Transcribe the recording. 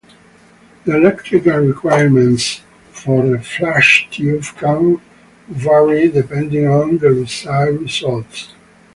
The electrical requirements for a flashtube can vary, depending on the desired results.